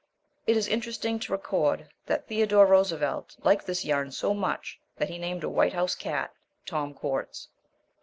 It is interesting to record that Theodore Roosevelt liked this yarn so much that he named a White House cat, Tom Quartz.